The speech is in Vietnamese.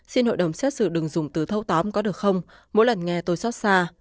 xin hội đồng xét xử đừng dùng từ thâu tóm có được không mỗi lần nghe tôi xót xa